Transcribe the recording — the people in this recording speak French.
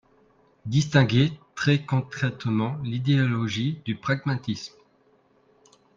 distinguer très concrètement l’idéologie du pragmatisme.